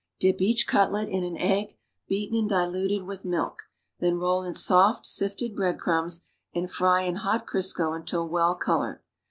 Dip each cutlet in an egg, beaten and diluted with milk, then roll in soft, sifted bread crumbs and fry in hot Crisco until well colored.